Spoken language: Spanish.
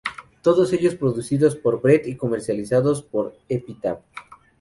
Todos ellos producidos por Brett y comercializados por Epitaph.